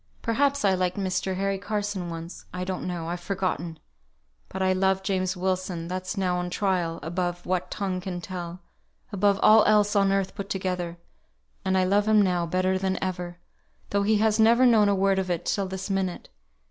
Perhaps I liked Mr. Harry Carson once I don't know I've forgotten; but I loved James Wilson, that's now on trial, above what tongue can tell above all else on earth put together; and I love him now better than ever, though he has never known a word of it till this minute.